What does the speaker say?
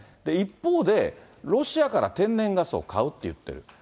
一方で、ロシアから天然ガスを買うって言ってる。